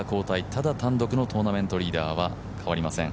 ただ単独のトーナメントリーダーは変わりません。